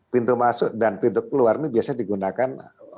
pintu masuk dan pintu keluar ini biasanya digunakan